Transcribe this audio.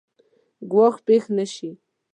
ګواښ پېښ نه شي.